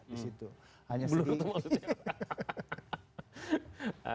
blur itu maksudnya